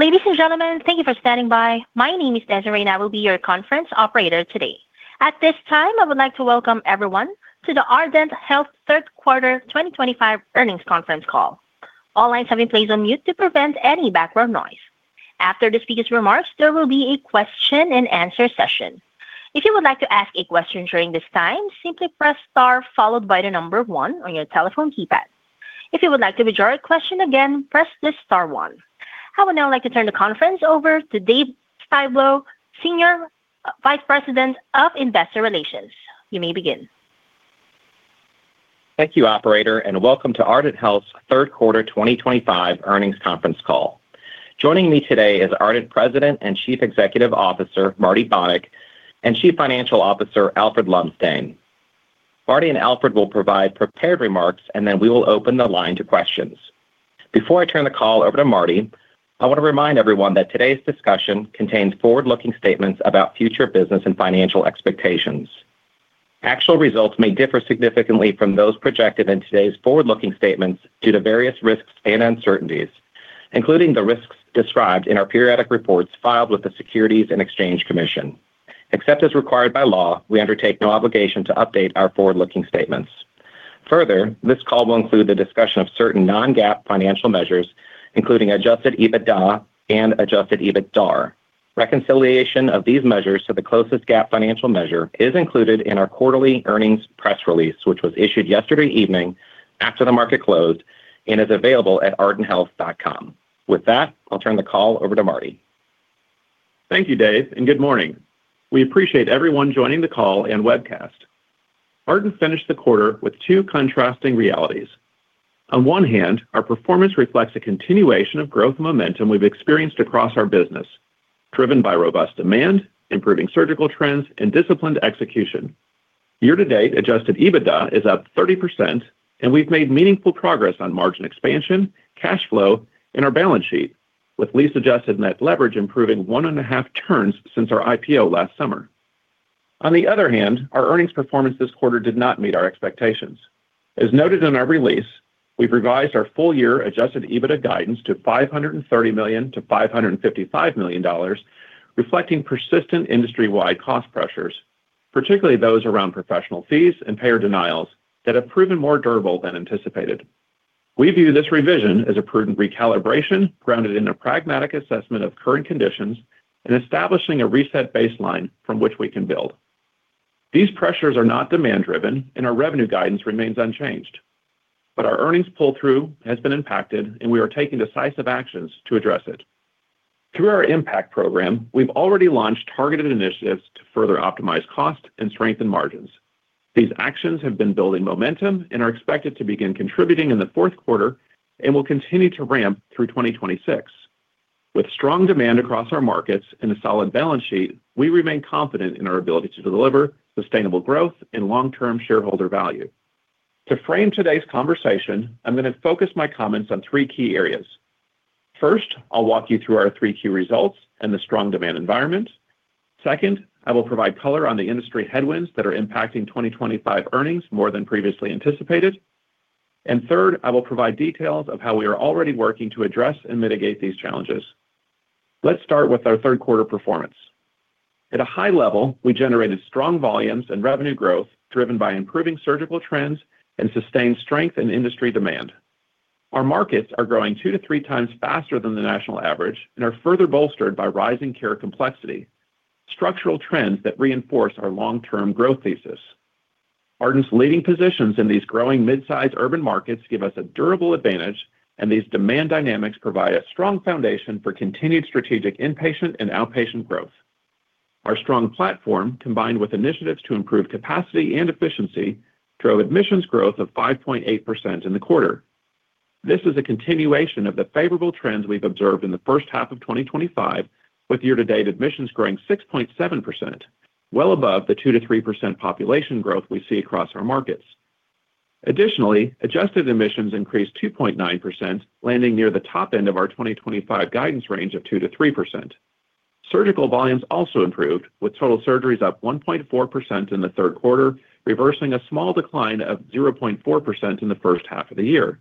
Ladies and gentlemen, thank you for standing by. My name is Desiree, and I will be your conference operator today. At this time, I would like to welcome everyone to the Ardent Health Third Quarter 2025 earnings conference call. All lines have been placed on mute to prevent any background noise. After the speaker's remarks, there will be a question-and-answer session. If you would like to ask a question during this time, simply press star followed by the number one on your telephone keypad. If you would like to withdraw your question again, press the star one. I would now like to turn the conference over to Dave Styblo, Senior Vice President of Investor Relations. You may begin. Thank you, Operator, and welcome to Ardent Health's Third Quarter 2025 earnings conference call. Joining me today is Ardent President and Chief Executive Officer Marty Bonick and Chief Financial Officer Alfred Lumsdaine. Marty and Alfred will provide prepared remarks, and then we will open the line to questions. Before I turn the call over to Marty, I want to remind everyone that today's discussion contains forward-looking statements about future business and financial expectations. Actual results may differ significantly from those projected in today's forward-looking statements due to various risks and uncertainties, including the risks described in our periodic reports filed with the Securities and Exchange Commission. Except as required by law, we undertake no obligation to update our forward-looking statements. Further, this call will include the discussion of certain non-GAAP financial measures, including Adjusted EBITDA and Adjusted EBITDAR. Reconciliation of these measures to the closest GAAP financial measure is included in our quarterly earnings press release, which was issued yesterday evening after the market closed and is available at ardenthealth.com. With that, I'll turn the call over to Marty. Thank you, Dave, and good morning. We appreciate everyone joining the call and webcast. Ardent finished the quarter with two contrasting realities. On one hand, our performance reflects a continuation of growth momentum we've experienced across our business, driven by robust demand, improving surgical trends, and disciplined execution. Year-to-date, Adjusted EBITDA is up 30%, and we've made meaningful progress on margin expansion, cash flow, and our balance sheet, with least adjusted net leverage improving one and a half turns since our IPO last summer. On the other hand, our earnings performance this quarter did not meet our expectations. As noted in our release, we've revised our full-year Adjusted EBITDA guidance to $530 million-$555 million, reflecting persistent industry-wide cost pressures, particularly those around professional fees and payer denials that have proven more durable than anticipated. We view this revision as a prudent recalibration grounded in a pragmatic assessment of current conditions and establishing a reset baseline from which we can build. These pressures are not demand-driven, and our revenue guidance remains unchanged. Our earnings pull-through has been impacted, and we are taking decisive actions to address it. Through our impact program, we've already launched targeted initiatives to further optimize costs and strengthen margins. These actions have been building momentum and are expected to begin contributing in the fourth quarter and will continue to ramp through 2026. With strong demand across our markets and a solid balance sheet, we remain confident in our ability to deliver sustainable growth and long-term shareholder value. To frame today's conversation, I'm going to focus my comments on three key areas. First, I'll walk you through our three key results and the strong demand environment. Second, I will provide color on the industry headwinds that are impacting 2025 earnings more than previously anticipated. Third, I will provide details of how we are already working to address and mitigate these challenges. Let's start with our third-quarter performance. At a high level, we generated strong volumes and revenue growth driven by improving surgical trends and sustained strength in industry demand. Our markets are growing two to three times faster than the national average and are further bolstered by rising care complexity, structural trends that reinforce our long-term growth thesis. Ardent's leading positions in these growing mid-size urban markets give us a durable advantage, and these demand dynamics provide a strong foundation for continued strategic inpatient and outpatient growth. Our strong platform, combined with initiatives to improve capacity and efficiency, drove admissions growth of 5.8% in the quarter. This is a continuation of the favorable trends we've observed in the first half of 2025, with year-to-date admissions growing 6.7%, well above the 2%-3% population growth we see across our markets. Additionally, adjusted admissions increased 2.9%, landing near the top end of our 2025 guidance range of 2%-3%. Surgical volumes also improved, with total surgeries up 1.4% in the third quarter, reversing a small decline of 0.4% in the first half of the year.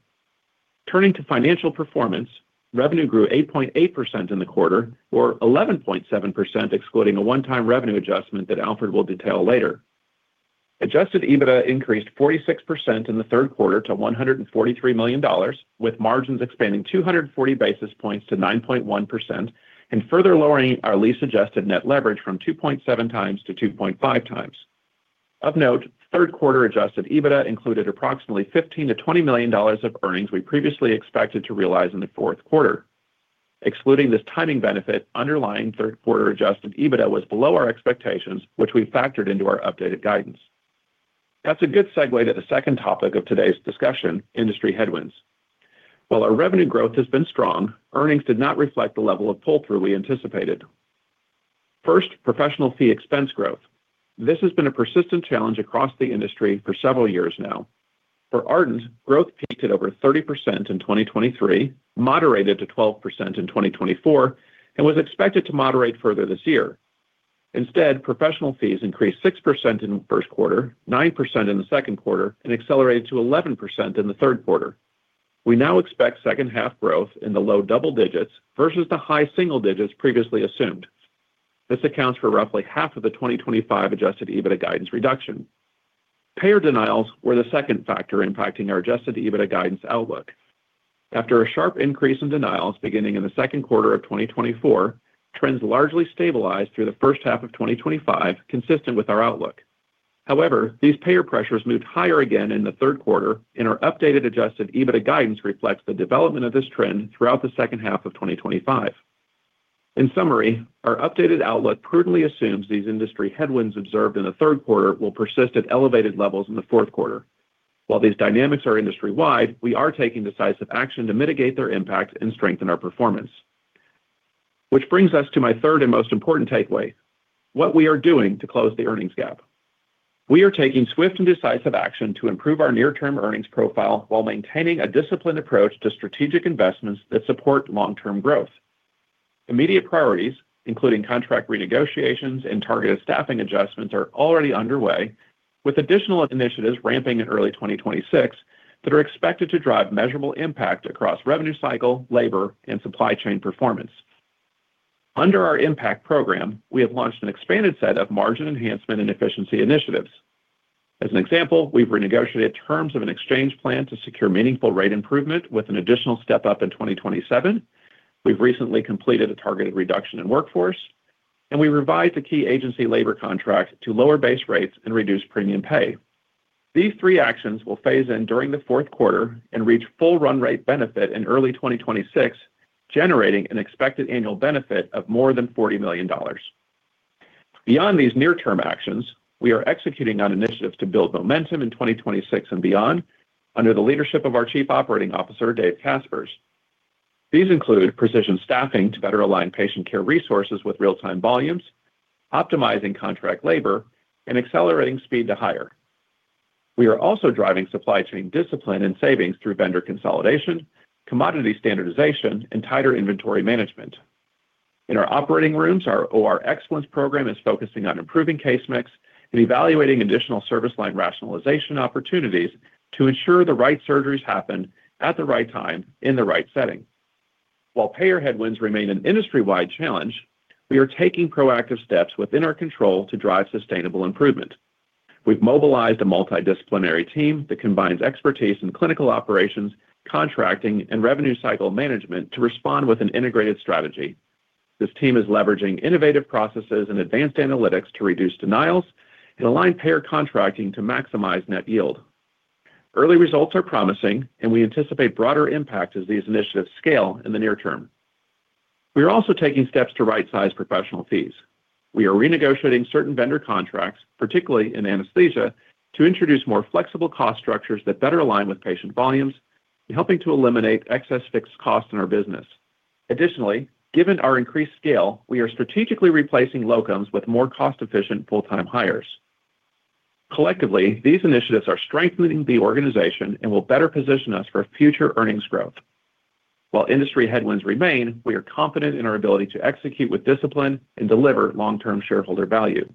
Turning to financial performance, revenue grew 8.8% in the quarter, or 11.7%, excluding a one-time revenue adjustment that Alfred will detail later. Adjusted EBITDA increased 46% in the third quarter to $143 million, with margins expanding 240 basis points to 9.1% and further lowering our least adjusted net leverage from 2.7x to 2.5x. Of note, third-quarter Adjusted EBITDA included approximately $15 million-$20 million of earnings we previously expected to realize in the fourth quarter. Excluding this timing benefit, underlying third-quarterAadjusted EBITDA was below our expectations, which we factored into our updated guidance. That's a good segue to the second topic of today's discussion, industry headwinds. While our revenue growth has been strong, earnings did not reflect the level of pull-through we anticipated. First, professional fee expense growth. This has been a persistent challenge across the industry for several years now. For Ardent, growth peaked at over 30% in 2023, moderated to 12% in 2024, and was expected to moderate further this year. Instead, professional fees increased 6% in the first quarter, 9% in the second quarter, and accelerated to 11% in the third quarter. We now expect second-half growth in the low double digits versus the high single digits previously assumed. This accounts for roughly half of the 2025 Adjusted EBITDA guidance reduction. Payer denials were the second factor impacting our Adjusted EBITDA guidance outlook. After a sharp increase in denials beginning in the second quarter of 2024, trends largely stabilized through the first half of 2025, consistent with our outlook. However, these payer pressures moved higher again in the third quarter, and our updated Adjusted EBITDA guidance reflects the development of this trend throughout the second half of 2025. In summary, our updated outlook prudently assumes these industry headwinds observed in the third quarter will persist at elevated levels in the fourth quarter. While these dynamics are industry-wide, we are taking decisive action to mitigate their impact and strengthen our performance. Which brings us to my third and most important takeaway: what we are doing to close the earnings gap. We are taking swift and decisive action to improve our near-term earnings profile while maintaining a disciplined approach to strategic investments that support long-term growth. Immediate priorities, including contract renegotiations and targeted staffing adjustments, are already underway, with additional initiatives ramping in early 2026 that are expected to drive measurable impact across revenue cycle, labor, and supply chain performance. Under our impact program, we have launched an expanded set of margin enhancement and efficiency initiatives. As an example, we've renegotiated terms of an exchange plan to secure meaningful rate improvement with an additional step up in 2027. We've recently completed a targeted reduction in workforce, and we revived the key agency labor contract to lower base rates and reduce premium pay. These three actions will phase in during the fourth quarter and reach full run rate benefit in early 2026, generating an expected annual benefit of more than $40 million. Beyond these near-term actions, we are executing on initiatives to build momentum in 2026 and beyond under the leadership of our Chief Operating Officer, Dave Caspers. These include precision staffing to better align patient care resources with real-time volumes, optimizing contract labor, and accelerating speed to hire. We are also driving supply chain discipline and savings through vendor consolidation, commodity standardization, and tighter inventory management. In our operating rooms, our OR excellence program is focusing on improving case mix and evaluating additional service line rationalization opportunities to ensure the right surgeries happen at the right time in the right setting. While payer headwinds remain an industry-wide challenge, we are taking proactive steps within our control to drive sustainable improvement. We've mobilized a multidisciplinary team that combines expertise in clinical operations, contracting, and revenue cycle management to respond with an integrated strategy. This team is leveraging innovative processes and advanced analytics to reduce denials and align payer contracting to maximize net yield. Early results are promising, and we anticipate broader impact as these initiatives scale in the near term. We are also taking steps to right-size professional fees. We are renegotiating certain vendor contracts, particularly in anesthesia, to introduce more flexible cost structures that better align with patient volumes, helping to eliminate excess fixed costs in our business. Additionally, given our increased scale, we are strategically replacing locums with more cost-efficient full-time hires. Collectively, these initiatives are strengthening the organization and will better position us for future earnings growth. While industry headwinds remain, we are confident in our ability to execute with discipline and deliver long-term shareholder value.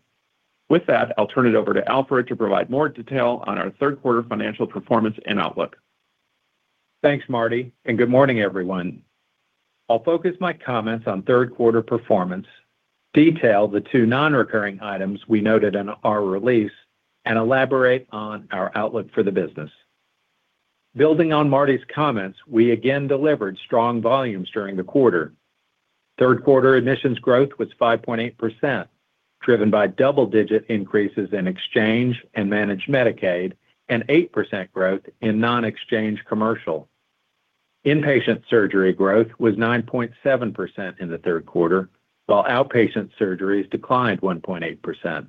With that, I'll turn it over to Alfred to provide more detail on our third-quarter financial performance and outlook. Thanks, Marty, and good morning, everyone. I'll focus my comments on third-quarter performance, detail the two non-recurring items we noted in our release, and elaborate on our outlook for the business. Building on Marty's comments, we again delivered strong volumes during the quarter. Third-quarter admissions growth was 5.8%, driven by double-digit increases in exchange and managed Medicaid and 8% growth in non-exchange commercial. Inpatient surgery growth was 9.7% in the third quarter, while outpatient surgeries declined 1.8%.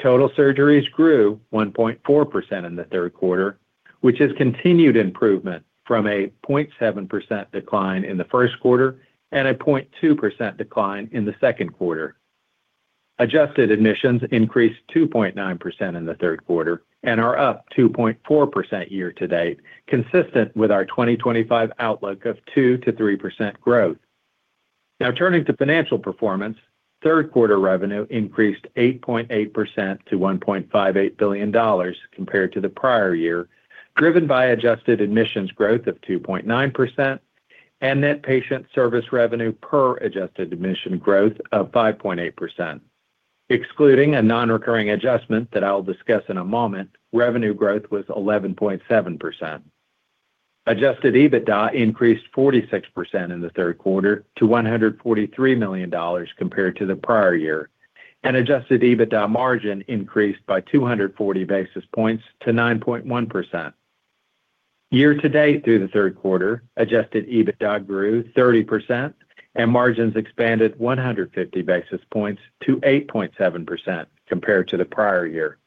Total surgeries grew 1.4% in the third quarter, which is continued improvement from a 0.7% decline in the first quarter and a 0.2% decline in the second quarter. Adjusted admissions increased 2.9% in the third quarter and are up 2.4% year-to-date, consistent with our 2025 outlook of 2%-3% growth. Now, turning to financial performance, third-quarter revenue increased 8.8% to $1.58 billion compared to the prior year, driven by adjusted admissions growth of 2.9% and net patient service revenue per adjusted admission growth of 5.8%. Excluding a non-recurring adjustment that I'll discuss in a moment, revenue growth was 11.7%. Adjusted EBITDA increased 46% in the third quarter to $143 million compared to the prior year, and Adjusted EBITDA margin increased by 240 basis points to 9.1%. Year-to-date through the third quarter, Adjusted EBITDA grew 30%, and margins expanded 150 basis points to 8.7% compared to the prior year.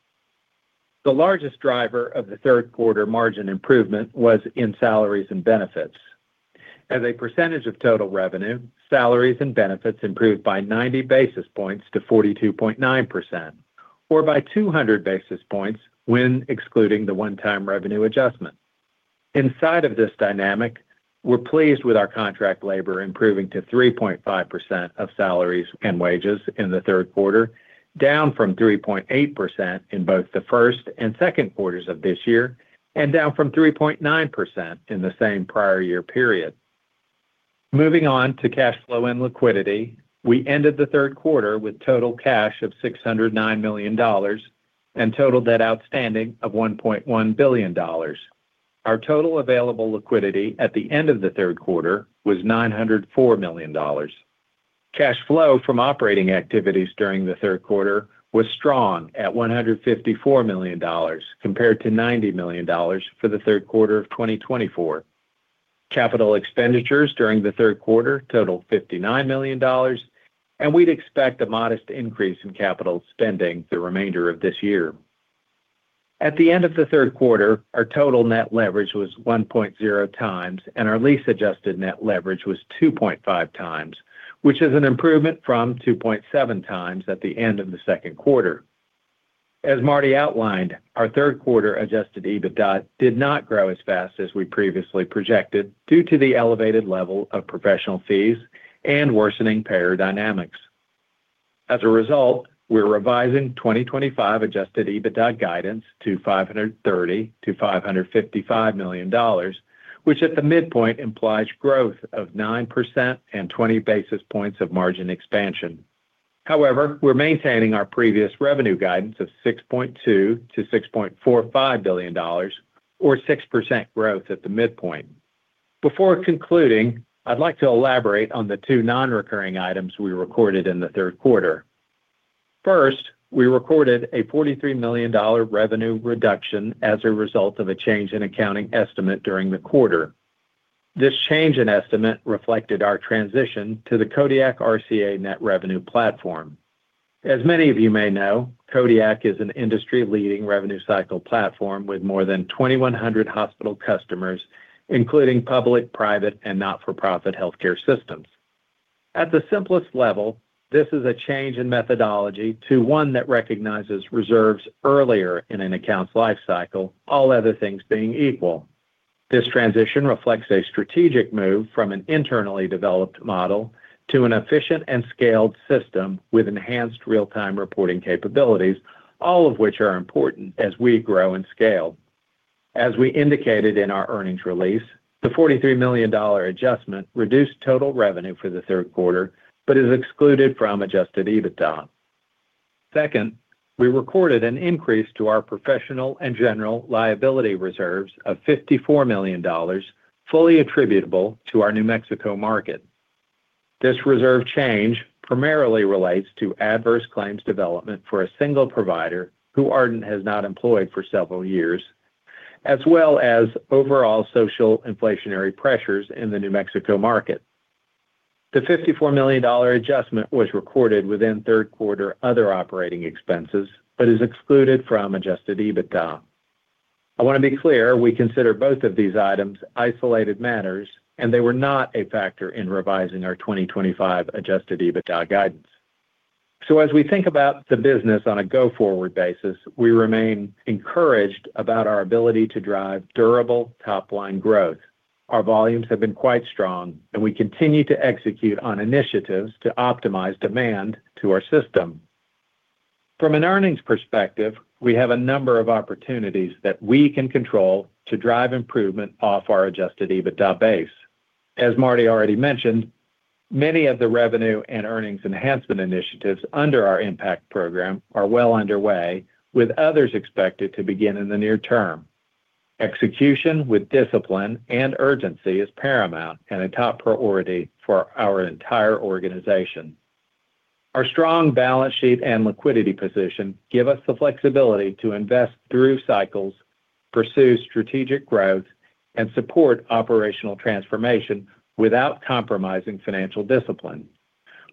The largest driver of the third-quarter margin improvement was in salaries and benefits. As a percentage of total revenue, salaries and benefits improved by 90 basis points to 42.9%, or by 200 basis points when excluding the one-time revenue adjustment. Inside of this dynamic, we're pleased with our contract labor improving to 3.5% of salaries and wages in the third quarter, down from 3.8% in both the first and second quarters of this year, and down from 3.9% in the same prior year period. Moving on to cash flow and liquidity, we ended the third quarter with total cash of $609 million and total debt outstanding of $1.1 billion. Our total available liquidity at the end of the third quarter was $904 million. Cash flow from operating activities during the third quarter was strong at $154 million compared to $90 million for the third quarter of 2024. Capital expenditures during the third quarter totaled $59 million, and we'd expect a modest increase in capital spending the remainder of this year. At the end of the third quarter, our total net leverage was 1.0x, and our lease-adjusted net leverage was 2.5x, which is an improvement from 2.7x at the end of the second quarter. As Marty outlined, our third-quarter Adjusted EBITDA did not grow as fast as we previously projected due to the elevated level of professional fees and worsening payer dynamics. As a result, we're revising 2025 Adjusted EBITDA guidance to $530 million-$555 million, which at the midpoint implies growth of 9% and 20 basis points of margin expansion. However, we're maintaining our previous revenue guidance of $6.2 billion-$6.45 billion, or 6% growth at the midpoint. Before concluding, I'd like to elaborate on the two non-recurring items we recorded in the third quarter. First, we recorded a $43 million revenue reduction as a result of a change in accounting estimate during the quarter. This change in estimate reflected our transition to the Kodiak RCA net revenue platform. As many of you may know, Kodiak is an industry-leading revenue cycle platform with more than 2,100 hospital customers, including public, private, and not-for-profit healthcare systems. At the simplest level, this is a change in methodology to one that recognizes reserves earlier in an account's lifecycle, all other things being equal. This transition reflects a strategic move from an internally developed model to an efficient and scaled system with enhanced real-time reporting capabilities, all of which are important as we grow and scale. As we indicated in our earnings release, the $43 million adjustment reduced total revenue for the third quarter but is excluded from Adjusted EBITDA. Second, we recorded an increase to our professional and general liability reserves of $54 million, fully attributable to our New Mexico market. This reserve change primarily relates to adverse claims development for a single provider who Ardent has not employed for several years, as well as overall social inflationary pressures in the New Mexico market. The $54 million adjustment was recorded within third quarter other operating expenses but is excluded from Adjusted EBITDA. I want to be clear, we consider both of these items isolated matters, and they were not a factor in revising our 2025 Adjusted EBITDA guidance. As we think about the business on a go-forward basis, we remain encouraged about our ability to drive durable top-line growth. Our volumes have been quite strong, and we continue to execute on initiatives to optimize demand to our system. From an earnings perspective, we have a number of opportunities that we can control to drive improvement off our Adjusted EBITDA base. As Marty already mentioned, many of the revenue and earnings enhancement initiatives under our Impact program are well underway, with others expected to begin in the near term. Execution with discipline and urgency is paramount and a top priority for our entire organization. Our strong balance sheet and liquidity position give us the flexibility to invest through cycles, pursue strategic growth, and support operational transformation without compromising financial discipline.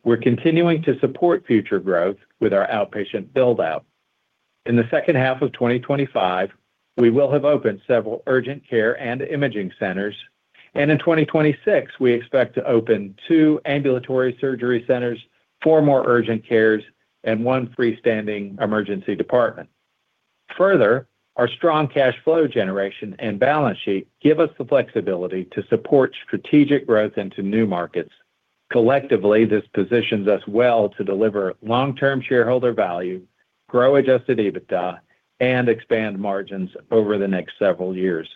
We're continuing to support future growth with our outpatient build-out. In the second half of 2025, we will have opened several urgent care and imaging centers, and in 2026, we expect to open two ambulatory surgery centers, four more urgent cares, and one freestanding emergency department. Further, our strong cash flow generation and balance sheet give us the flexibility to support strategic growth into new markets. Collectively, this positions us well to deliver long-term shareholder value, grow Adjusted EBITDA, and expand margins over the next several years.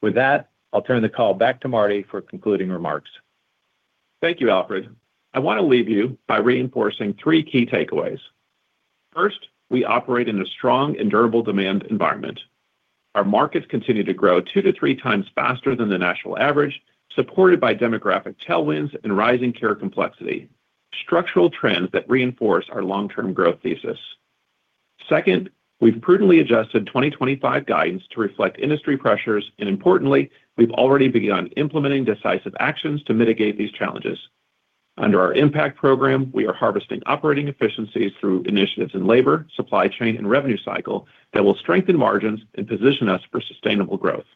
With that, I'll turn the call back to Marty for concluding remarks. Thank you, Alfred. I want to leave you by reinforcing three key takeaways. First, we operate in a strong and durable demand environment. Our markets continue to grow two to three times faster than the national average, supported by demographic tailwinds and rising care complexity, structural trends that reinforce our long-term growth thesis. Second, we have prudently adjusted 2025 guidance to reflect industry pressures, and importantly, we have already begun implementing decisive actions to mitigate these challenges. Under our impact program, we are harvesting operating efficiencies through initiatives in labor, supply chain, and revenue cycle that will strengthen margins and position us for sustainable growth.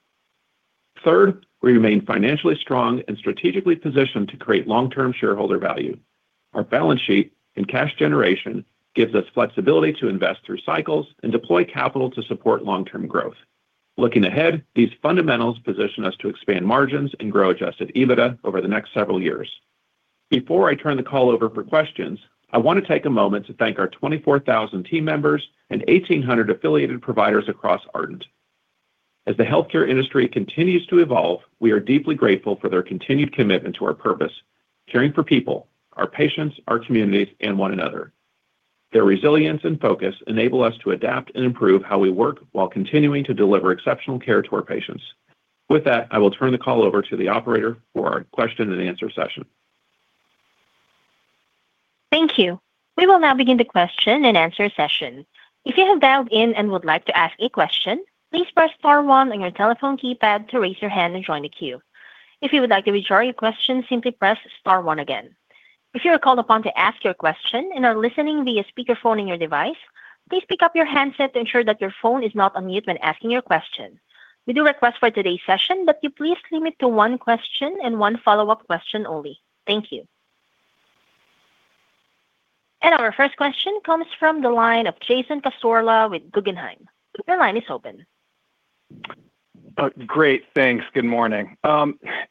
Third, we remain financially strong and strategically positioned to create long-term shareholder value. Our balance sheet and cash generation gives us flexibility to invest through cycles and deploy capital to support long-term growth. Looking ahead, these fundamentals position us to expand margins and grow Adjusted EBITDA over the next several years. Before I turn the call over for questions, I want to take a moment to thank our 24,000 team members and 1,800 affiliated providers across Ardent. As the healthcare industry continues to evolve, we are deeply grateful for their continued commitment to our purpose: caring for people, our patients, our communities, and one another. Their resilience and focus enable us to adapt and improve how we work while continuing to deliver exceptional care to our patients. With that, I will turn the call over to the operator for our question-and-answer session. Thank you. We will now begin the question-and-answer session. If you have dialed in and would like to ask a question, please press star one on your telephone keypad to raise your hand and join the queue. If you would like to withdraw your question, simply press star one again. If you are called upon to ask your question and are listening via speakerphone in your device, please pick up your handset to ensure that your phone is not on mute when asking your question. We do request for today's session that you please limit to one question and one follow-up question only. Thank you. Our first question comes from the line of Jason Cassorla with Guggenheim. Your line is open. Great. Thanks. Good morning.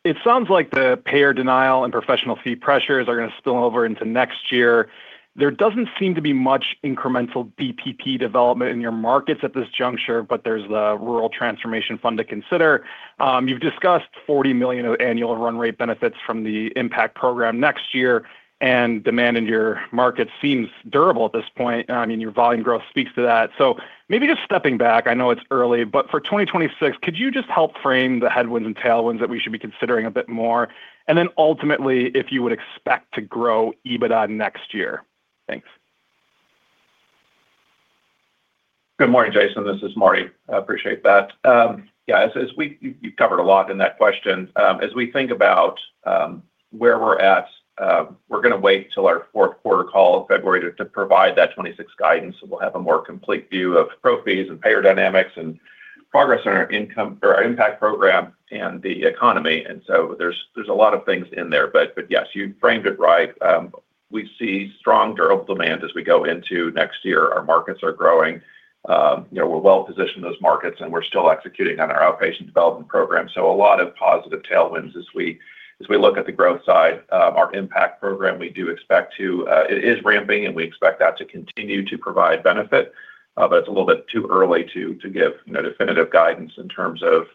It sounds like the payer denial and professional fee pressures are going to spill over into next year. There does not seem to be much incremental BPP development in your markets at this juncture, but there is the Rural Transformation Fund to consider. You have discussed $40 million of annual run rate benefits from the impact program next year, and demand in your market seems durable at this point. I mean, your volume growth speaks to that. Maybe just stepping back, I know it is early, but for 2026, could you just help frame the headwinds and tailwinds that we should be considering a bit more? Ultimately, if you would expect to grow EBITDA next year? Thanks. Good morning, Jason. This is Marty. I appreciate that. Yeah, as we—you've covered a lot in that question. As we think about where we're at, we're going to wait till our fourth quarter call in February to provide that 2026 guidance so we'll have a more complete view of pro fees and payer dynamics and progress on our impact program and the economy. There are a lot of things in there, but yes, you framed it right. We see strong durable demand as we go into next year. Our markets are growing. We're well-positioned in those markets, and we're still executing on our outpatient development program. A lot of positive tailwinds as we look at the growth side. Our Impact program, we do expect to—it is ramping, and we expect that to continue to provide benefit, but it's a little bit too early to give definitive guidance in terms of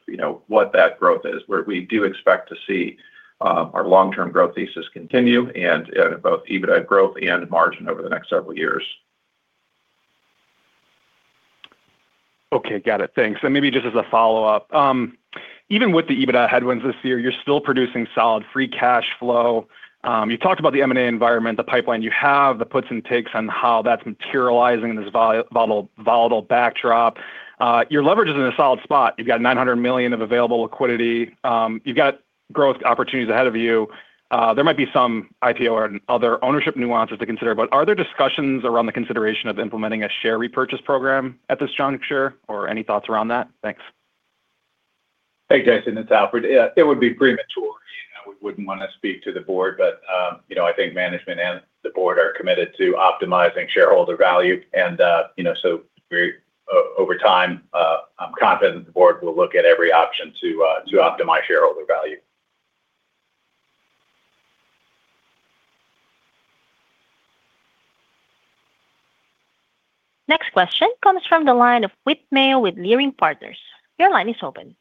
what that growth is. We do expect to see our long-term growth thesis continue and both EBITDA growth and margin over the next several years. Okay. Got it. Thanks. Maybe just as a follow-up, even with the EBITDA headwinds this year, you're still producing solid free cash flow. You talked about the M&A environment, the pipeline you have, the puts and takes on how that's materializing in this volatile backdrop. Your leverage is in a solid spot. You've got $900 million of available liquidity. You've got growth opportunities ahead of you. There might be some IPO or other ownership nuances to consider, but are there discussions around the consideration of implementing a share repurchase program at this juncture or any thoughts around that? Thanks. Hey, Jason. It's Alfred. It would be premature. We wouldn't want to speak to the board, but I think management and the board are committed to optimizing shareholder value. Over time, I'm confident the board will look at every option to optimize shareholder value. Next question comes from the line of Whit Mayo with Leerink Partners. Your line is open.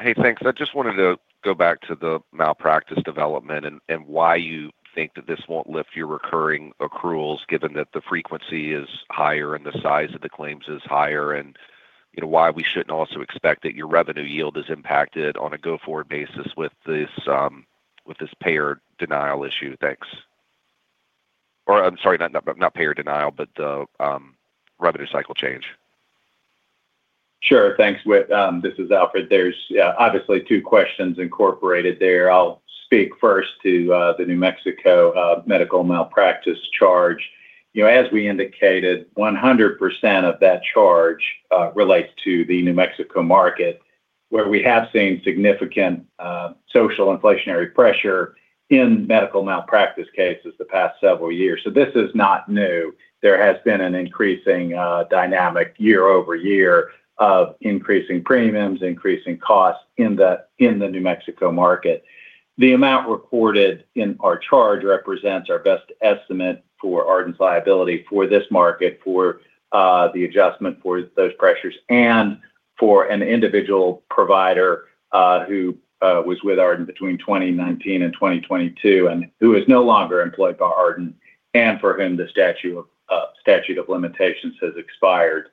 Hey, thanks. I just wanted to go back to the malpractice development and why you think that this won't lift your recurring accruals given that the frequency is higher and the size of the claims is higher and why we shouldn't also expect that your revenue yield is impacted on a go-forward basis with this payer denial issue. Thanks. I'm sorry, not payer denial, but the revenue cycle change. Sure. Thanks, Whit. This is Alfred. There's obviously two questions incorporated there. I'll speak first to the New Mexico medical malpractice charge. As we indicated, 100% of that charge relates to the New Mexico market, where we have seen significant social inflationary pressure in medical malpractice cases the past several years. This is not new. There has been an increasing dynamic year-over-year of increasing premiums, increasing costs in the New Mexico market. The amount reported in our charge represents our best estimate for Ardent's liability for this market, for the adjustment for those pressures, and for an individual provider who was with Ardent between 2019 and 2022 and who is no longer employed by Ardent and for whom the statute of limitations has expired.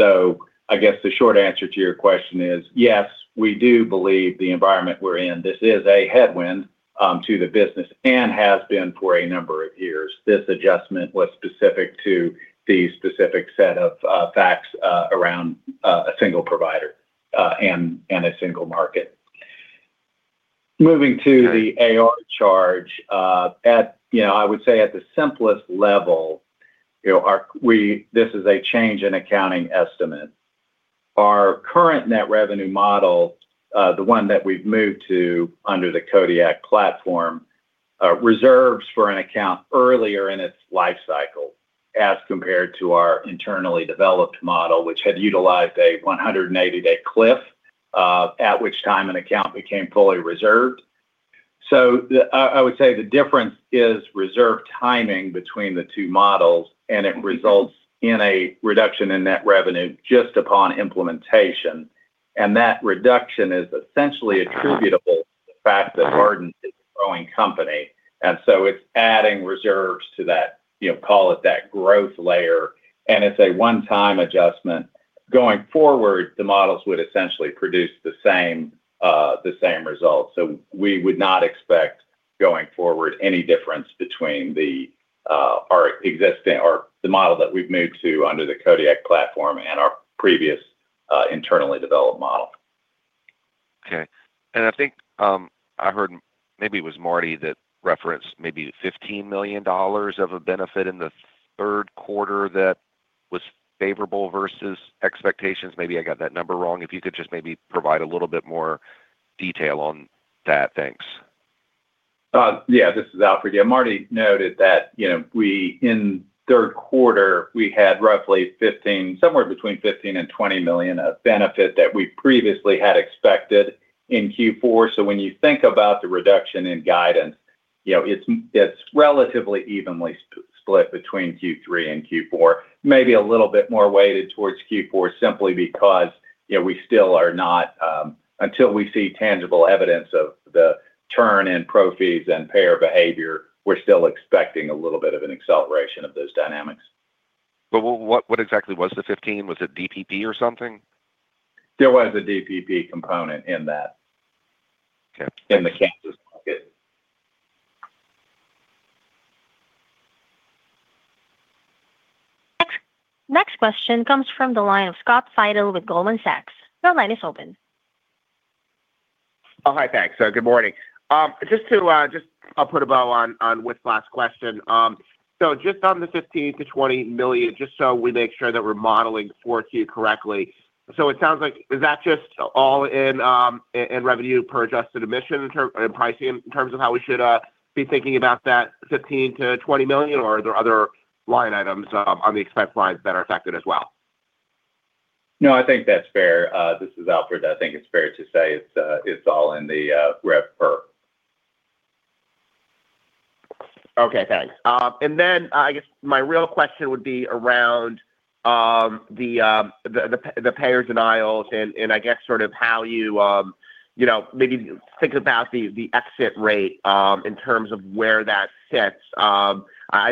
I guess the short answer to your question is, yes, we do believe the environment we're in, this is a headwind to the business and has been for a number of years. This adjustment was specific to the specific set of facts around a single provider and a single market. Moving to the AR charge, I would say at the simplest level, this is a change in accounting estimate. Our current net revenue model, the one that we've moved to under the Kodiak platform, reserves for an account earlier in its life cycle as compared to our internally developed model, which had utilized a 180-day cliff at which time an account became fully reserved. I would say the difference is reserve timing between the two models, and it results in a reduction in net revenue just upon implementation. That reduction is essentially attributable to the fact that Ardent is a growing company. It is adding reserves to that, call it that growth layer. It is a one-time adjustment. Going forward, the models would essentially produce the same result. We would not expect going forward any difference between the model that we have moved to under the Kodiak platform and our previous internally developed model. Okay. I think I heard maybe it was Marty that referenced maybe $15 million of a benefit in the third quarter that was favorable versus expectations. Maybe I got that number wrong. If you could just maybe provide a little bit more detail on that. Thanks. Yeah, this is Alfred. Yeah, Marty noted that in third quarter, we had roughly somewhere between $15 million and $20 million of benefit that we previously had expected in Q4. So when you think about the reduction in guidance, it's relatively evenly split between Q3 and Q4. Maybe a little bit more weighted towards Q4 simply because we still are not, until we see tangible evidence of the turn in pro fees and payer behavior, we're still expecting a little bit of an acceleration of those dynamics. What exactly was the $15? Was it DPP or something? There was a DPP component in that in the campus market. Next question comes from the line of Scott Fidel with Goldman Sachs. Your line is open. Oh, hi, thanks. Good morning. Just I'll put a bow on Whit's last question. Just on the $15 million-$20 million, just so we make sure that we're modeling for you correctly. It sounds like, is that just all in revenue per adjusted admission and pricing in terms of how we should be thinking about that $15 million-$20 million, or are there other line items on the expense lines that are affected as well? No, I think that's fair. This is Alfred. I think it's fair to say it's all in the REF PER. Okay. Thanks. I guess my real question would be around the payer denials and I guess sort of how you maybe think about the exit rate in terms of where that sits. I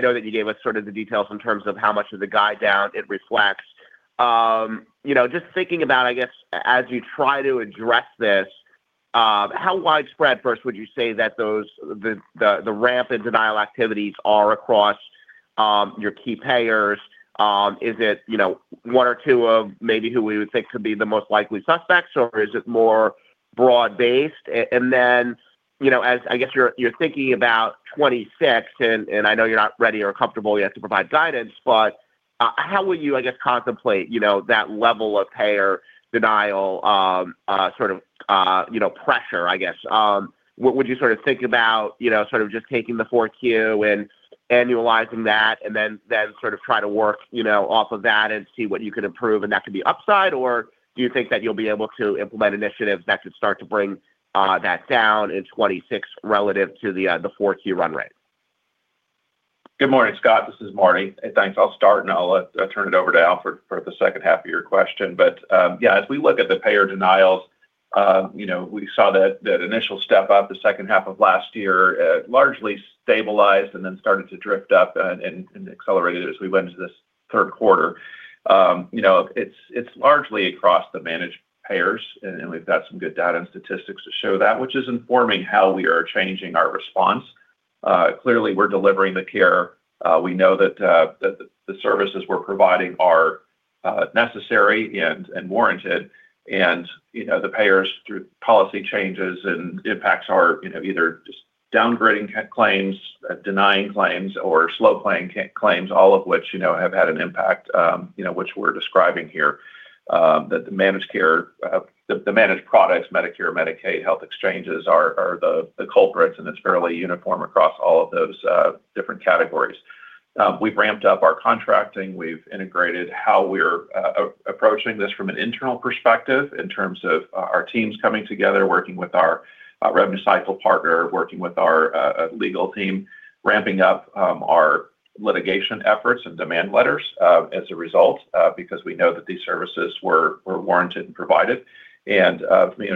know that you gave us sort of the details in terms of how much of the guide down it reflects. Just thinking about, I guess, as you try to address this, how widespread first would you say that the ramp and denial activities are across your key payers? Is it one or two of maybe who we would think could be the most likely suspects, or is it more broad-based? I guess you're thinking about 2026, and I know you're not ready or comfortable yet to provide guidance, but how would you, I guess, contemplate that level of payer denial sort of pressure, I guess? Would you sort of think about sort of just taking the fourth Q and annualizing that and then sort of try to work off of that and see what you could improve? That could be upside, or do you think that you'll be able to implement initiatives that could start to bring that down in 2026 relative to the fourth quarter run rate? Good morning, Scott. This is Marty. Thanks. I'll start, and I'll turn it over to Alfred for the second half of your question. Yeah, as we look at the payer denials, we saw that initial step up the second half of last year largely stabilized and then started to drift up and accelerated as we went into this third quarter. It's largely across the managed payers, and we've got some good data and statistics to show that, which is informing how we are changing our response. Clearly, we're delivering the care. We know that the services we're providing are necessary and warranted. The payers, through policy changes and impacts, are either just downgrading claims, denying claims, or slow playing claims, all of which have had an impact, which we're describing here. The managed care, the managed products, Medicare, Medicaid, health exchanges are the culprits, and it's fairly uniform across all of those different categories. We've ramped up our contracting. We've integrated how we're approaching this from an internal perspective in terms of our teams coming together, working with our revenue cycle partner, working with our legal team, ramping up our litigation efforts and demand letters as a result because we know that these services were warranted and provided, and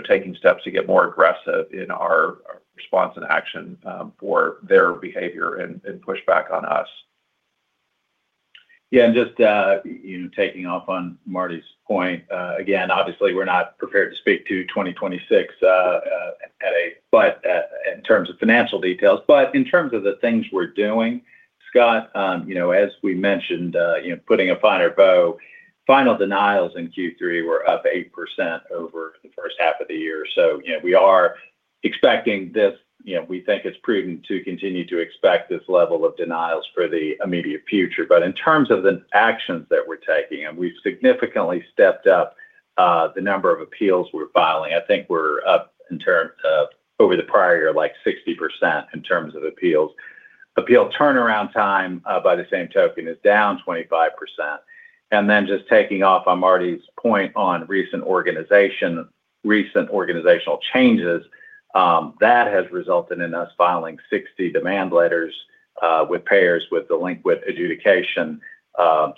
taking steps to get more aggressive in our response and action for their behavior and pushback on us. Yeah, and just taking off on Marty's point, again, obviously, we're not prepared to speak to 2026 at a, but in terms of financial details. In terms of the things we're doing, Scott, as we mentioned, putting a finer bow, final denials in Q3 were up 8% over the first half of the year. We are expecting this. We think it's prudent to continue to expect this level of denials for the immediate future. In terms of the actions that we're taking, we've significantly stepped up the number of appeals we're filing. I think we're up in terms of over the prior year, like 60% in terms of appeals. Appeal turnaround time by the same token is down 25%. Just taking off on Marty's point on recent organizational changes, that has resulted in us filing 60 demand letters with payers with delinquent adjudication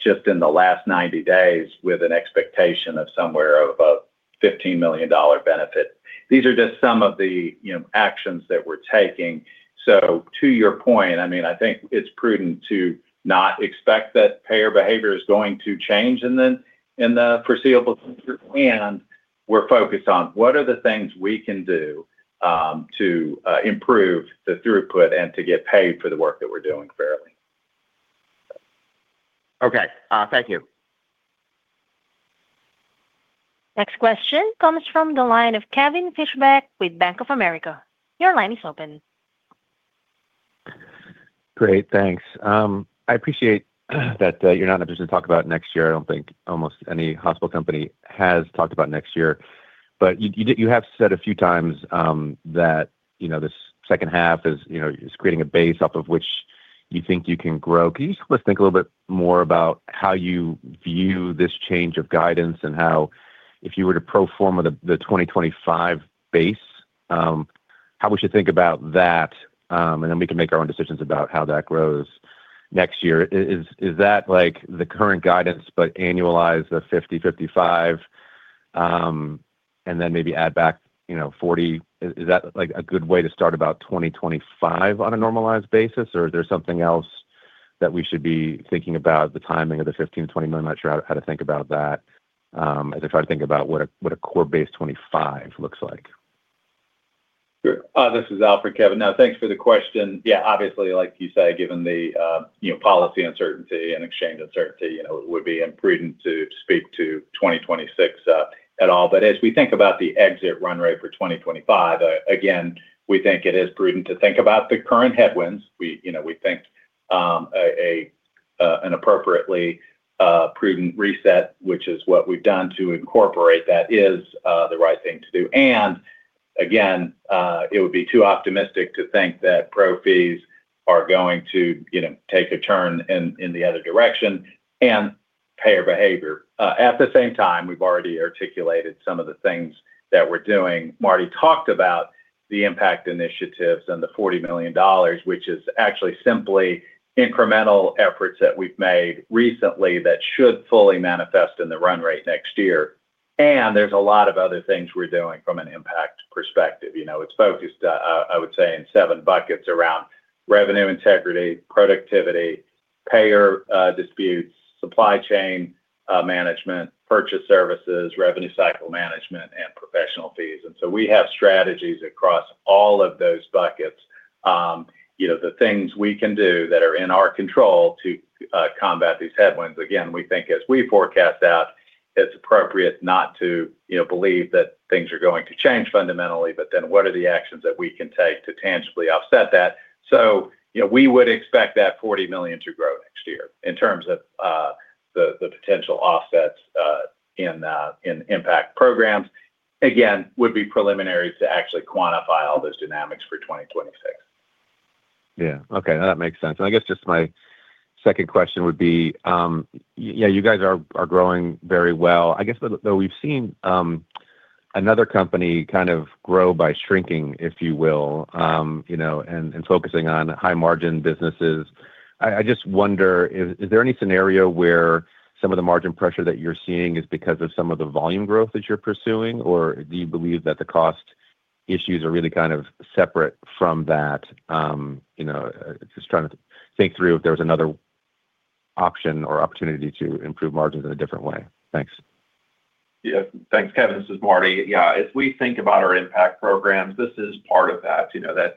just in the last 90 days with an expectation of somewhere of a $15 million benefit. These are just some of the actions that we're taking. To your point, I mean, I think it's prudent to not expect that payer behavior is going to change in the foreseeable future. We're focused on what are the things we can do to improve the throughput and to get paid for the work that we're doing fairly. Okay. Thank you. Next question comes from the line of Kevin Fischbeck with Bank of America. Your line is open. Great. Thanks. I appreciate that you're not a person to talk about next year. I don't think almost any hospital company has talked about next year. You have said a few times that this second half is creating a base off of which you think you can grow. Could you just let us think a little bit more about how you view this change of guidance and how, if you were to pro forma the 2025 base, how we should think about that? We can make our own decisions about how that grows next year. Is that the current guidance, but annualize the $50 million, $55 million, and then maybe add back $40 million? Is that a good way to start about 2025 on a normalized basis, or is there something else that we should be thinking about, the timing of the $15 million-$20 million? I'm not sure how to think about that as I try to think about what a core base 25 looks like. This is Alfred, Kevin. No, thanks for the question. Yeah, obviously, like you say, given the policy uncertainty and exchange uncertainty, it would be prudent to speak to 2026 at all. As we think about the exit run rate for 2025, again, we think it is prudent to think about the current headwinds. We think an appropriately prudent reset, which is what we've done to incorporate that, is the right thing to do. Again, it would be too optimistic to think that pro fees are going to take a turn in the other direction and payer behavior. At the same time, we've already articulated some of the things that we're doing. Marty talked about the impact initiatives and the $40 million, which is actually simply incremental efforts that we've made recently that should fully manifest in the run rate next year. There is a lot of other things we are doing from an impact perspective. It is focused, I would say, in seven buckets around revenue integrity, productivity, payer disputes, supply chain management, purchase services, revenue cycle management, and professional fees. We have strategies across all of those buckets, the things we can do that are in our control to combat these headwinds. Again, we think as we forecast out, it is appropriate not to believe that things are going to change fundamentally, but then what are the actions that we can take to tangibly offset that? We would expect that $40 million to grow next year in terms of the potential offsets in impact programs. Again, it would be preliminary to actually quantify all those dynamics for 2026. Yeah. Okay. That makes sense. I guess just my second question would be, yeah, you guys are growing very well. I guess, though, we've seen another company kind of grow by shrinking, if you will, and focusing on high-margin businesses. I just wonder, is there any scenario where some of the margin pressure that you're seeing is because of some of the volume growth that you're pursuing, or do you believe that the cost issues are really kind of separate from that? Just trying to think through if there's another option or opportunity to improve margins in a different way. Thanks. Yeah. Thanks, Kevin. This is Marty. Yeah. As we think about our impact programs, this is part of that.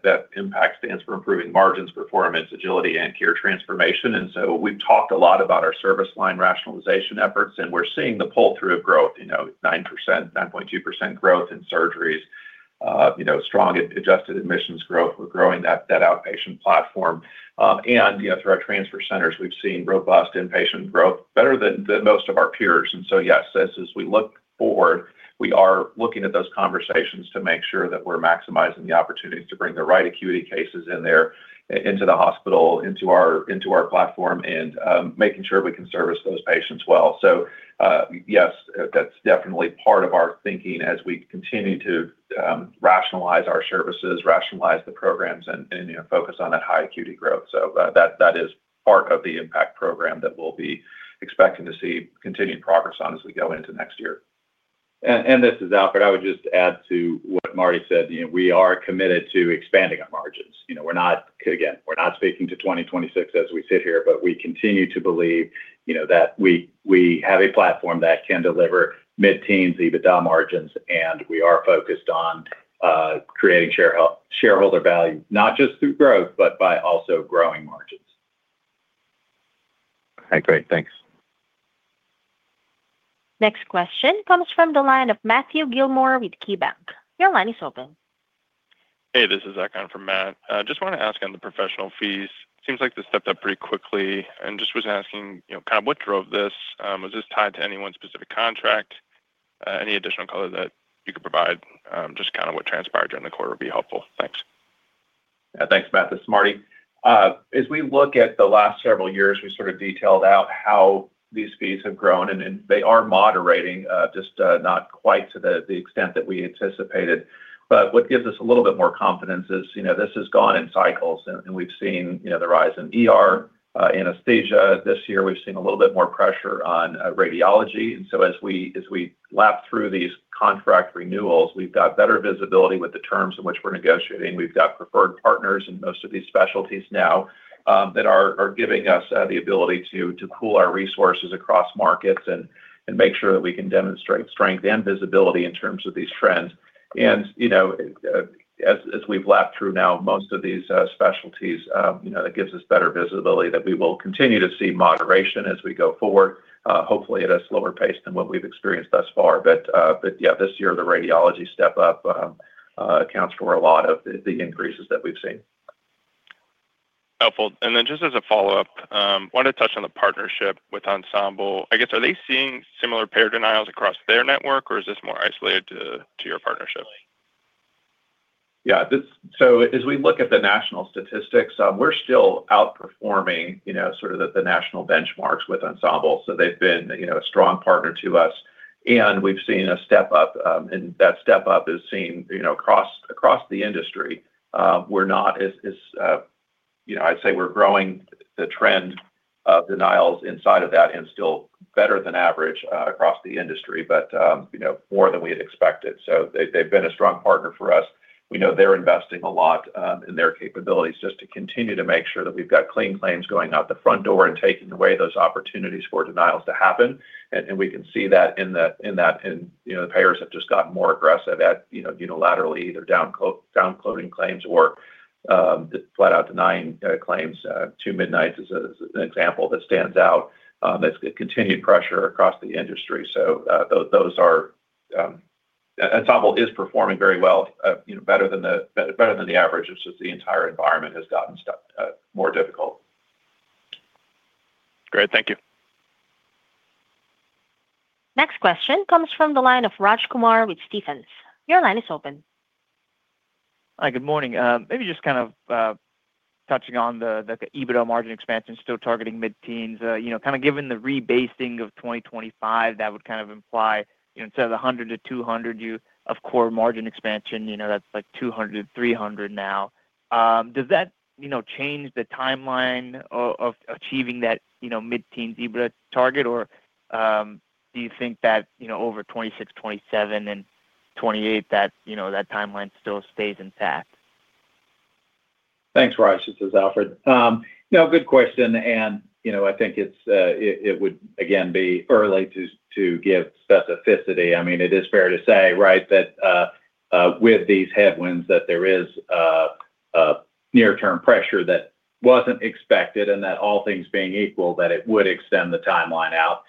That impact stands for improving margins, performance, agility, and care transformation. We've talked a lot about our service line rationalization efforts, and we're seeing the pull-through of growth, 9%, 9.2% growth in surgeries, strong adjusted admissions growth. We're growing that outpatient platform. Through our transfer centers, we've seen robust inpatient growth, better than most of our peers. Yes, as we look forward, we are looking at those conversations to make sure that we're maximizing the opportunities to bring the right acuity cases in there into the hospital, into our platform, and making sure we can service those patients well. Yes, that's definitely part of our thinking as we continue to rationalize our services, rationalize the programs, and focus on that high acuity growth. That is part of the impact program that we'll be expecting to see continued progress on as we go into next year. This is Alfred. I would just add to what Marty said. We are committed to expanding our margins. Again, we're not speaking to 2026 as we sit here, but we continue to believe that we have a platform that can deliver mid-teens, even down margins, and we are focused on creating shareholder value, not just through growth, but by also growing margins. Okay. Great. Thanks. Next question comes from the line of Matthew Gilmore with KeyBank. Your line is open. Hey, this is Egon from Matt. Just wanted to ask on the professional fees. Seems like this stepped up pretty quickly, and just was asking kind of what drove this. Was this tied to any one specific contract? Any additional color that you could provide? Just kind of what transpired during the quarter would be helpful. Thanks. Yeah. Thanks, Matt. Marty, as we look at the last several years, we sort of detailed out how these fees have grown, and they are moderating, just not quite to the extent that we anticipated. What gives us a little bit more confidence is this has gone in cycles, and we've seen the rise in anesthesia. This year, we've seen a little bit more pressure on radiology. As we lap through these contract renewals, we've got better visibility with the terms in which we're negotiating. We've got preferred partners in most of these specialties now that are giving us the ability to pool our resources across markets and make sure that we can demonstrate strength and visibility in terms of these trends. As we have lapped through now most of these specialties, that gives us better visibility that we will continue to see moderation as we go forward, hopefully at a slower pace than what we have experienced thus far. Yeah, this year, the radiology step-up accounts for a lot of the increases that we have seen. Helpful. Just as a follow-up, wanted to touch on the partnership with Ensemble. I guess, are they seeing similar payer denials across their network, or is this more isolated to your partnership? Yeah. As we look at the national statistics, we're still outperforming sort of the national benchmarks with Ensemble. They've been a strong partner to us, and we've seen a step-up, and that step-up is seen across the industry. We're not, I'd say, we're growing the trend of denials inside of that and still better than average across the industry, but more than we had expected. They've been a strong partner for us. We know they're investing a lot in their capabilities just to continue to make sure that we've got clean claims going out the front door and taking away those opportunities for denials to happen. We can see that in that, and the payers have just gotten more aggressive at unilaterally either downcoding claims or flat-out denying claims. Two-midnights is an example that stands out. That's continued pressure across the industry. Those are Ensemble is performing very well, better than the average. It's just the entire environment has gotten more difficult. Great. Thank you. Next question comes from the line of Raj Kumar with Stephens. Your line is open. Hi. Good morning. Maybe just kind of touching on the EBITDA margin expansion, still targeting mid-teens. Kind of given the rebasing of 2025, that would kind of imply instead of the 100-200 of core margin expansion, that's like 200-300 now. Does that change the timeline of achieving that mid-teens EBITDA target, or do you think that over 2026, 2027, and 2028, that timeline still stays intact? Thanks, Raj. This is Alfred. No, good question. I think it would, again, be early to give specificity. I mean, it is fair to say, right, that with these headwinds, there is near-term pressure that was not expected, and that all things being equal, it would extend the timeline out.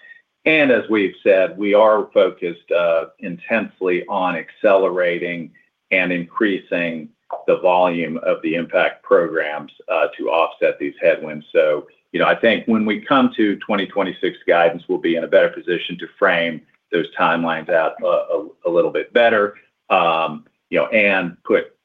As we have said, we are focused intensely on accelerating and increasing the volume of the impact programs to offset these headwinds. I think when we come to 2026 guidance, we will be in a better position to frame those timelines out a little bit better and put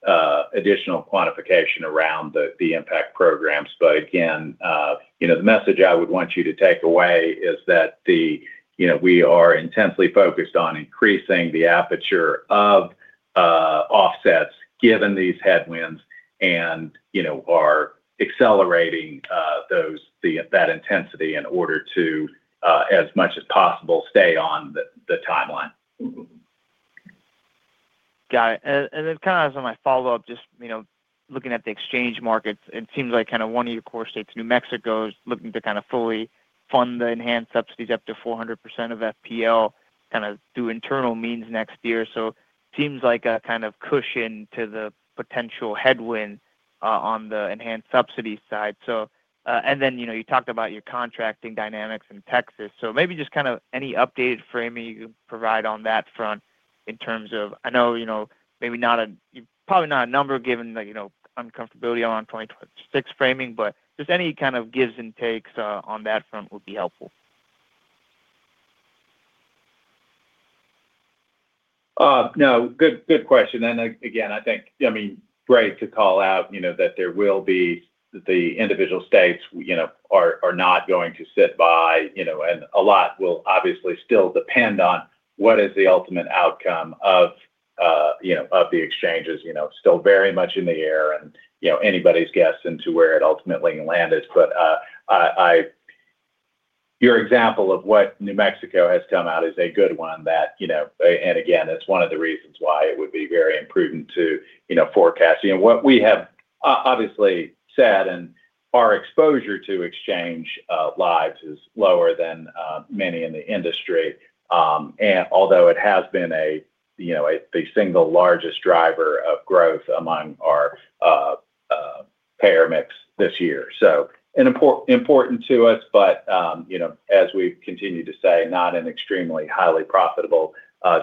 additional quantification around the impact programs. Again, the message I would want you to take away is that we are intensely focused on increasing the aperture of offsets given these headwinds and are accelerating that intensity in order to, as much as possible, stay on the timeline. Got it. And then kind of as my follow-up, just looking at the exchange markets, it seems like kind of one of your core states, New Mexico, is looking to kind of fully fund the enhanced subsidies up to 400% of FPL, kind of through internal means next year. It seems like a kind of cushion to the potential headwind on the enhanced subsidy side. You talked about your contracting dynamics in Texas. Maybe just kind of any updated framing you can provide on that front in terms of, I know maybe not a probably not a number given the uncomfortability around 2026 framing, but just any kind of gives and takes on that front would be helpful. No. Good question. I think, I mean, great to call out that the individual states are not going to sit by, and a lot will obviously still depend on what is the ultimate outcome of the exchanges. Still very much in the air and anybody's guess into where it ultimately lands. Your example of what New Mexico has come out is a good one, and again, it's one of the reasons why it would be very prudent to forecast. What we have obviously said, our exposure to exchange lives is lower than many in the industry, although it has been the single largest driver of growth among our payer mix this year. Important to us, but as we've continued to say, not an extremely highly profitable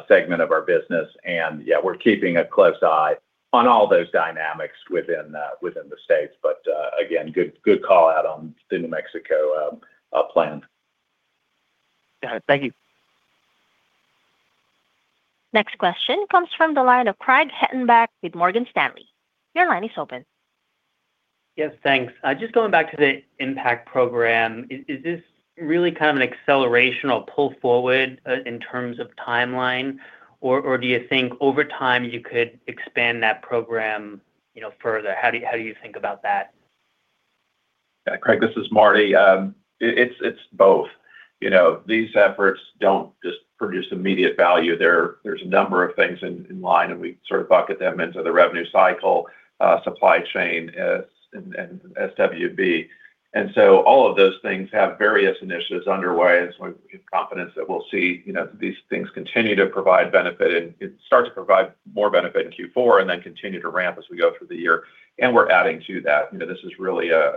segment of our business. Yeah, we're keeping a close eye on all those dynamics within the states. Again, good call out on the New Mexico plan. Got it. Thank you. Next question comes from the line of Craig Hettenbach with Morgan Stanley. Your line is open. Yes. Thanks. Just going back to the impact program, is this really kind of an accelerational pull forward in terms of timeline, or do you think over time you could expand that program further? How do you think about that? Yeah. Craig, this is Marty. It's both. These efforts don't just produce immediate value. There's a number of things in line, and we sort of bucket them into the revenue cycle, supply chain, and SWB. All of those things have various initiatives underway, and we have confidence that we'll see these things continue to provide benefit and start to provide more benefit in Q4 and then continue to ramp as we go through the year. We're adding to that. This is really a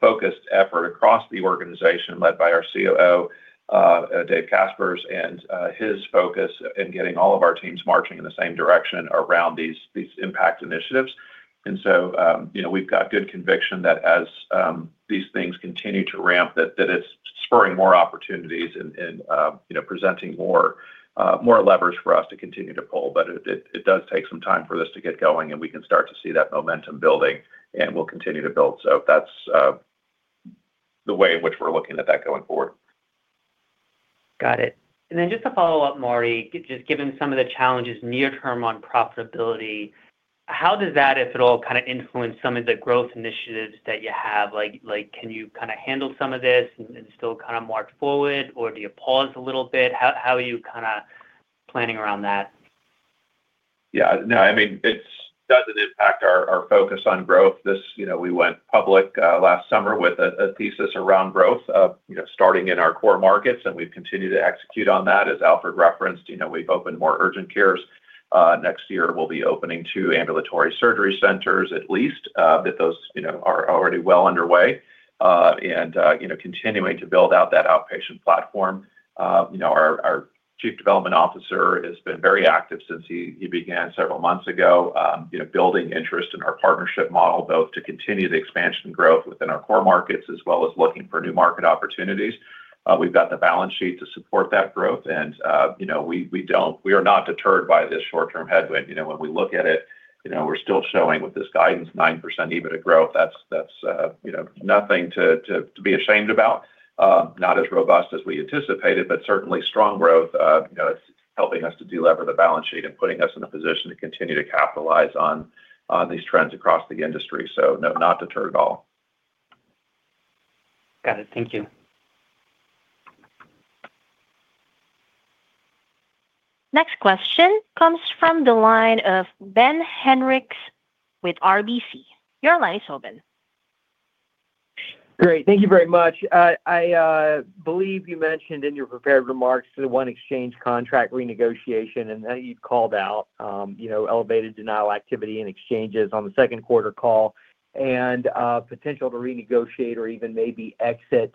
focused effort across the organization led by our COO, Dave Caspers, and his focus in getting all of our teams marching in the same direction around these impact initiatives. We've got good conviction that as these things continue to ramp, that it's spurring more opportunities and presenting more levers for us to continue to pull. It does take some time for this to get going, and we can start to see that momentum building, and we'll continue to build. That's the way in which we're looking at that going forward. Got it. Just to follow up, Marty, just given some of the challenges near-term on profitability, how does that, if at all, kind of influence some of the growth initiatives that you have? Can you kind of handle some of this and still kind of march forward, or do you pause a little bit? How are you kind of planning around that? Yeah. No, I mean, it doesn't impact our focus on growth. We went public last summer with a thesis around growth, starting in our core markets, and we've continued to execute on that. As Alfred referenced, we've opened more urgent cares. Next year, we'll be opening two ambulatory surgery centers, at least, that those are already well underway, and continuing to build out that outpatient platform. Our Chief Development Officer has been very active since he began several months ago, building interest in our partnership model, both to continue the expansion growth within our core markets as well as looking for new market opportunities. We've got the balance sheet to support that growth, and we are not deterred by this short-term headwind. When we look at it, we're still showing with this guidance, 9% EBITDA growth. That's nothing to be ashamed about. Not as robust as we anticipated, but certainly strong growth. It's helping us to deliver the balance sheet and putting us in a position to continue to capitalize on these trends across the industry. No, not deterred at all. Got it. Thank you. Next question comes from the line of Ben Hendrix with RBC. Your line is open. Great. Thank you very much. I believe you mentioned in your prepared remarks the one exchange contract renegotiation, and I think you called out elevated denial activity in exchanges on the second quarter call and potential to renegotiate or even maybe exit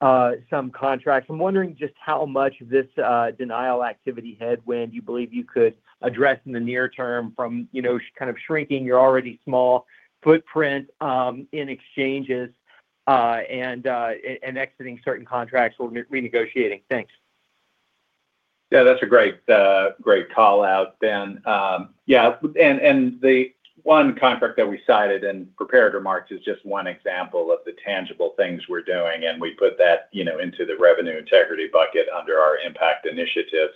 some contracts. I'm wondering just how much this denial activity headwind you believe you could address in the near term from kind of shrinking your already small footprint in exchanges and exiting certain contracts or renegotiating. Thanks. Yeah. That's a great call out, Ben. Yeah. The one contract that we cited in prepared remarks is just one example of the tangible things we're doing, and we put that into the revenue integrity bucket under our impact initiatives.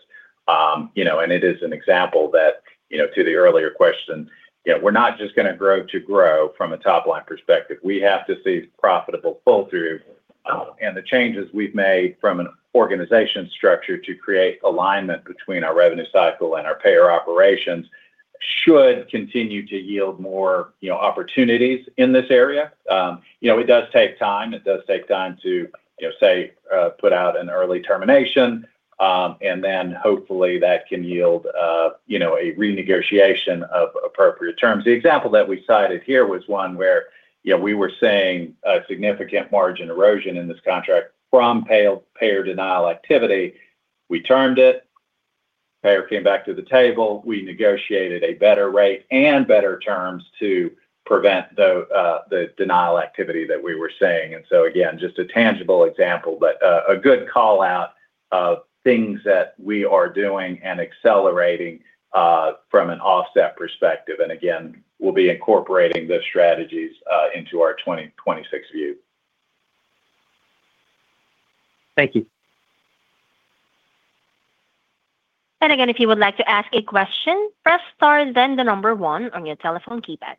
It is an example that, to the earlier question, we're not just going to grow to grow from a top-line perspective. We have to see profitable pull-through, and the changes we've made from an organization structure to create alignment between our revenue cycle and our payer operations should continue to yield more opportunities in this area. It does take time. It does take time to, say, put out an early termination, and then hopefully that can yield a renegotiation of appropriate terms. The example that we cited here was one where we were seeing significant margin erosion in this contract from payer denial activity. We termed it. Payer came back to the table. We negotiated a better rate and better terms to prevent the denial activity that we were seeing. Just a tangible example, but a good call out of things that we are doing and accelerating from an offset perspective. We will be incorporating those strategies into our 2026 view. Thank you. If you would like to ask a question, press star and then the number one on your telephone keypad.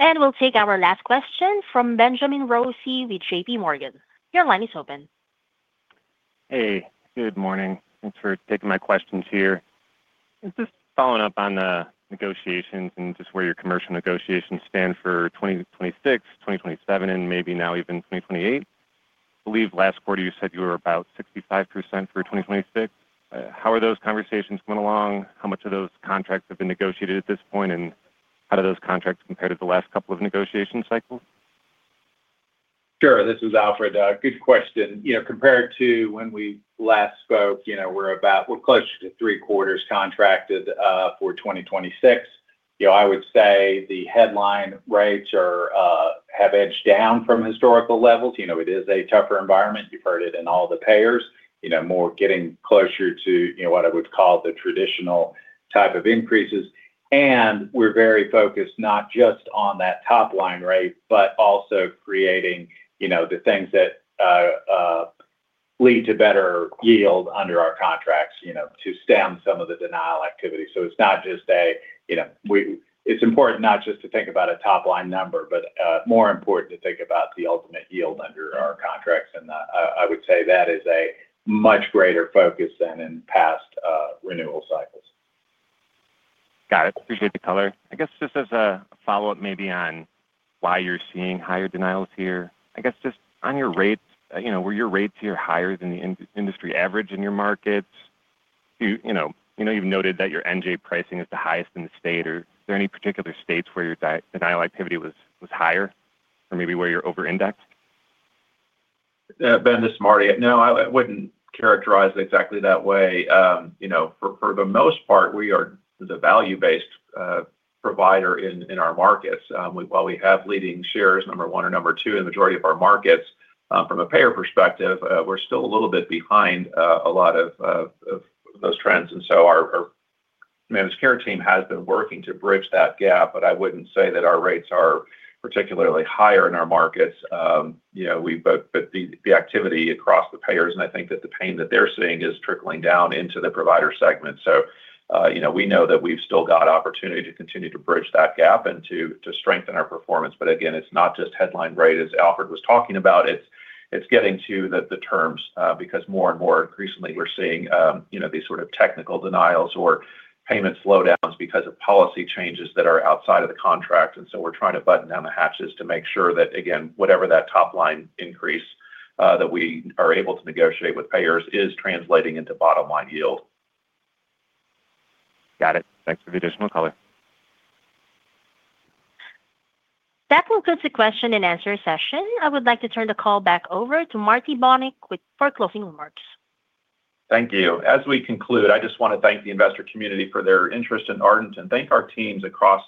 We will take our last question from Benjamin Rossi with JPMorgan. Your line is open. Hey. Good morning. Thanks for taking my questions here. Just following up on the negotiations and just where your commercial negotiations stand for 2026, 2027, and maybe now even 2028. I believe last quarter you said you were about 65% for 2026. How are those conversations coming along? How much of those contracts have been negotiated at this point, and how do those contracts compare to the last couple of negotiation cycles? Sure. This is Alfred. Good question. Compared to when we last spoke, we're about close to three-quarters contracted for 2026. I would say the headline rates have edged down from historical levels. It is a tougher environment. You've heard it in all the payers, more getting closer to what I would call the traditional type of increases. We're very focused not just on that top-line rate, but also creating the things that lead to better yield under our contracts to stem some of the denial activity. It is important not just to think about a top-line number, but more important to think about the ultimate yield under our contracts. I would say that is a much greater focus than in past renewal cycles. Got it. Appreciate the color. I guess just as a follow-up maybe on why you're seeing higher denials here, I guess just on your rates, were your rates here higher than the industry average in your markets? You've noted that your NJ pricing is the highest in the state. Are there any particular states where your denial activity was higher or maybe where you're over-indexed? Ben, this is Marty. No, I wouldn't characterize it exactly that way. For the most part, we are the value-based provider in our markets. While we have leading shares, number one or number two in the majority of our markets, from a payer perspective, we're still a little bit behind a lot of those trends. Our managed care team has been working to bridge that gap, but I wouldn't say that our rates are particularly higher in our markets. We've both built the activity across the payers, and I think that the pain that they're seeing is trickling down into the provider segment. We know that we've still got opportunity to continue to bridge that gap and to strengthen our performance. Again, it's not just headline rate, as Alfred was talking about. It's getting to the terms because more and more increasingly, we're seeing these sort of technical denials or payment slowdowns because of policy changes that are outside of the contract. We are trying to button down the hatches to make sure that, again, whatever that top-line increase that we are able to negotiate with payers is translating into bottom-line yield. Got it. Thanks for the additional color. That concludes the question and answer session. I would like to turn the call back over to Marty Bonick with closing remarks. Thank you. As we conclude, I just want to thank the investor community for their interest in Ardent and thank our teams across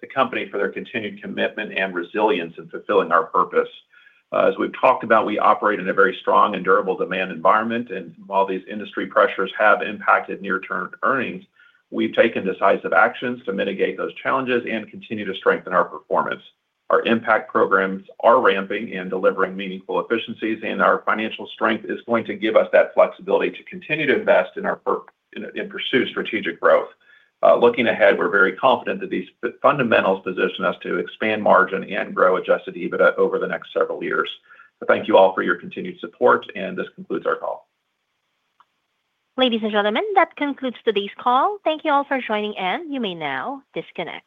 the company for their continued commitment and resilience in fulfilling our purpose. As we've talked about, we operate in a very strong and durable demand environment. While these industry pressures have impacted near-term earnings, we've taken decisive actions to mitigate those challenges and continue to strengthen our performance. Our impact programs are ramping and delivering meaningful efficiencies, and our financial strength is going to give us that flexibility to continue to invest in pursue strategic growth. Looking ahead, we're very confident that these fundamentals position us to expand margin and grow Adjusted EBITDA over the next several years. Thank you all for your continued support, and this concludes our call. Ladies and gentlemen, that concludes today's call. Thank you all for joining in. You may now disconnect.